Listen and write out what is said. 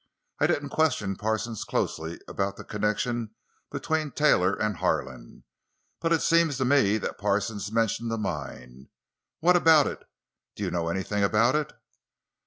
I didn't question Parsons closely about the connection between Taylor and Harlan, but it seems to me that Parsons mentioned a mine. What about it? Do you know anything about it?"